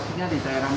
tidak bisa keturunnya